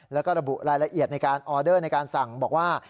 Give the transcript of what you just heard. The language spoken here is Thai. แล้วก็ระบุรายละเอียดในการออเดอร์ในการสั่งบอกว่า